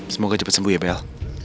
semoga cepat sembuh ya bel